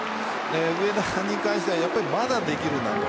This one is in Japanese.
上田に関してはまだできるなと。